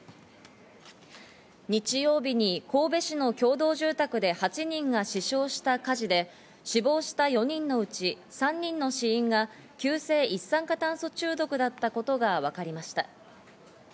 日曜日に神戸市の共同住宅で８人が死傷した火事で、死亡した４人のうち、３人の死因が急性一酸化炭素中毒だったことがわかりました。